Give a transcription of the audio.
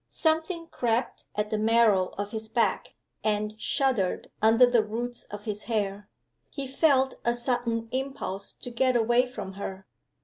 Something crept at the marrow of his back, and shuddered under the roots of his hair. He felt a sudden impulse to get away from her.